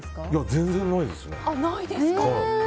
全然ないですね。